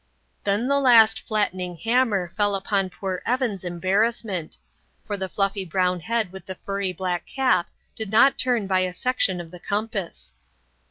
Then the last flattening hammer fell upon poor Evan's embarrassment; for the fluffy brown head with the furry black cap did not turn by a section of the compass.